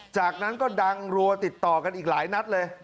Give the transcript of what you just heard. จากนั้นก็ดังรัวติดต่อกันอีกหลายนัดเลย